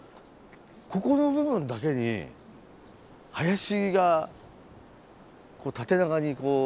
ここの部分だけに林が縦長にこうあるんです。